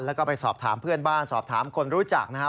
แล้วก็ไปสอบถามเพื่อนบ้านสอบถามคนรู้จักนะครับ